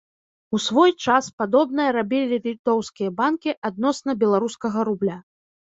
У свой час падобнае рабілі літоўскія банкі адносна беларускага рубля.